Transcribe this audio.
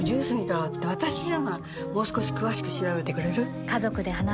もう少し詳しく調べてくれる？